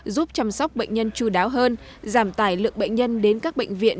giúp chăm sóc bệnh nhân chú đáo hơn giảm tài lượng bệnh nhân đến các bệnh viện